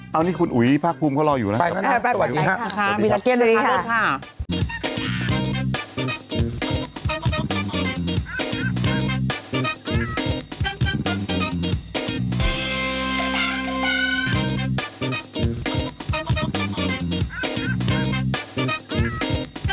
เอานี่คุณอุ๊ยภาคภูมิเขารออยู่นะบ๊วยซาขอบใจค่ะสบายครับสวัสดีค่ะสวัสดีค่ะสวัสดีค่ะบ๊วยซาขอบใจค่ะ